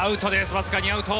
わずかにアウト。